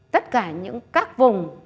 tất cả những các vùng